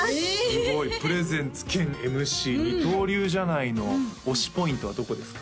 すごいプレゼンツ兼ＭＣ二刀流じゃないの推しポイントはどこですか？